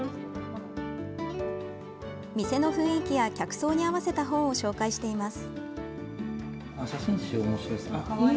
店の雰囲気や客層に合わせた本を紹介しています。